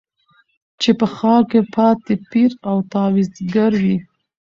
چي په ښار کي پاته پیر او تعویذګروي